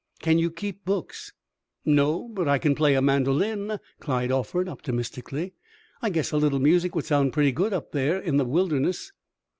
"Can you keep books?" "No; but I can play a mandolin," Clyde offered, optimistically. "I guess a little music would sound pretty good up there in the wilderness."